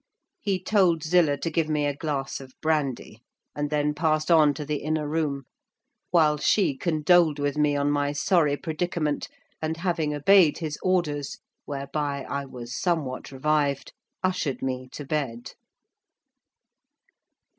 He told Zillah to give me a glass of brandy, and then passed on to the inner room; while she condoled with me on my sorry predicament, and having obeyed his orders, whereby I was somewhat revived, ushered me to bed.